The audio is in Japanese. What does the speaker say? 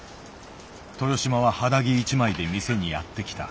豊島は肌着一枚で店にやって来た。